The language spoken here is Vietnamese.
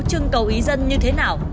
trưng cầu ý dân như thế nào